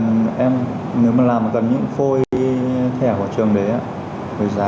nếu mà làm cần những phôi thẻ của trường đấy á với giá hai trăm linh